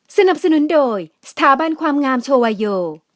สนับสนุนโดยสถาบันความงามโชวาโย